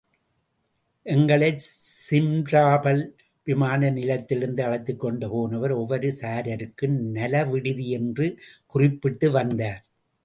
எங்களைச் Simferopol விமான நிலையத்திலிருந்து அழைத்துக் கொண்டு போனவர் ஒவ்வொரு சாராருக்கும் நலவிடுதி என்று குறிப்பிட்டு வந்தார்.